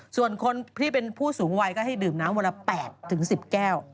ส่วนคนที่เป็นผู้สูงวัยก็ให้ดื่มน้ำวันละ๘๑๐แก้ว